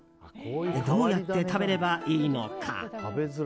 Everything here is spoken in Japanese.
どうやって食べればいいのか。